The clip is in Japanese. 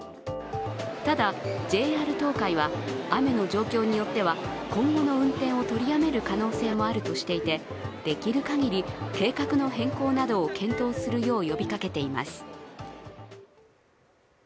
ただ、ＪＲ東海は、雨の状況によっては今後の運転を取りやめる可能性もあるとしていてできる限り計画の変更などを検討するよう呼びかけています。